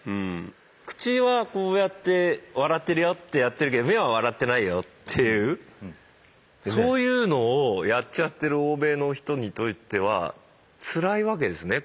口はこうやって笑ってるよってやってるけど目は笑ってないよっていうそういうのをやっちゃってる欧米の人にとってはつらいわけですね